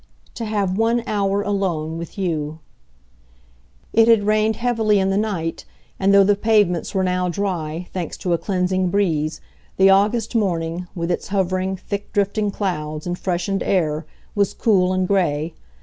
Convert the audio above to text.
"To have one hour alone with you." It had rained heavily in the night, and though the pavements were now dry, thanks to a cleansing breeze, the August morning, with its hovering, thick drifting clouds and freshened air, was cool and grey.